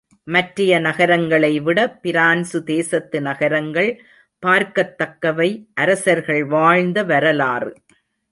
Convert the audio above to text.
மற்றைய நகரங்களைவிட பிரான்சு தேசத்து நகரங்கள் பார்க்கத்தக்கவை அரசர்கள் வாழ்ந்த வரலாறு.